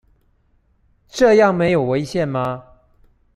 這樣沒有違憲嗎？